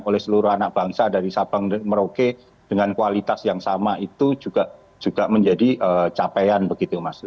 oleh seluruh anak bangsa dari sabang dan merauke dengan kualitas yang sama itu juga menjadi capaian begitu mas